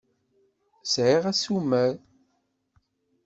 Sεiɣ asumer.